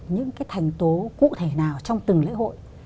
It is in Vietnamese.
những cái thành tố cụ thể nào trong từng lễ hội